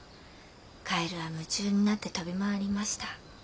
カエルは夢中になって跳び回りました。